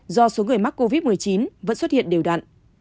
do số người mắc covid một mươi chín vẫn xuất hiện đều đặn